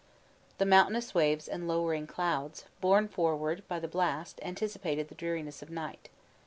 The mountainous waves and lowering clouds, borne forward by the blast, anticipated the dreariness of night.